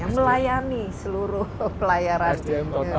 yang melayani seluruh pelayarannya